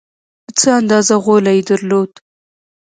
څه اندازه غولی یې درلود.